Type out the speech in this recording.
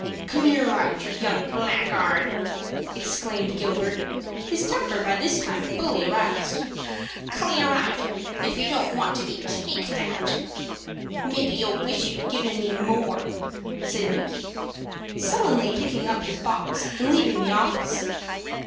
"Clear out, you young blackguard!" exclaimed Gilbert, his temper by this time fully aroused. "Clear out, if you don't want to be kicked out!" "Maybe you'll wish you'd given me more," said Micky, sullenly picking up his box, and leaving the office.